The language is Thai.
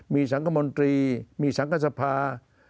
มีสังคมนตรีมีสังกษภา